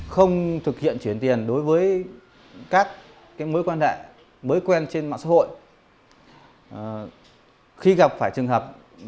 không thực hiện chuyển tiền đối với các mối quan hệ mới quen trên mạng xã hội